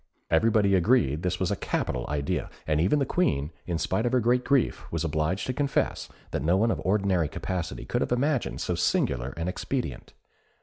Everybody agreed this was a capital idea, and even the Queen, in spite of her great grief, was obliged to confess that no one of ordinary capacity could have imagined so singular an expedient.